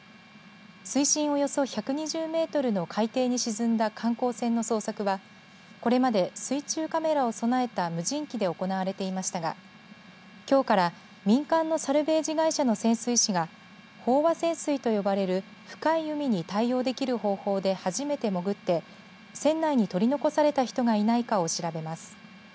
水深およそ１２０メートルの海底に沈んだ観光船の捜索はこれまで水中カメラを備えた無人機で行われていましたがきょうから民間のサルベージ会社の潜水士が飽和潜水と呼ばれる深い海に対応できる方法で初めて潜って船内に取り残された人がいないかを調べます。